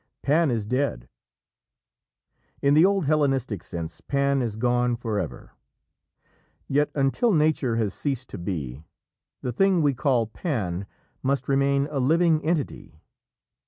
Pan is dead. In the old Hellenistic sense Pan is gone forever. Yet until Nature has ceased to be, the thing we call Pan must remain a living entity.